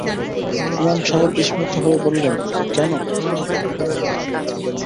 ইমাম সাহেব বিস্মিত হয়ে বললেন, কেন?